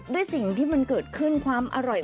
ด้วยสิ่งที่มันเกิดขึ้นความอร่อย